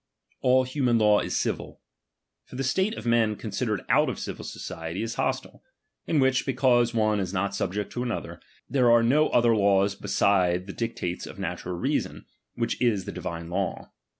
All human law is civil. For the state of^'^''^"' men considered out of civil society, is hostile ; in is k. fay, which, because one is not subject to another, there ^^VZ. « are no other laws beside the dictates of natural reason, which is the divine law.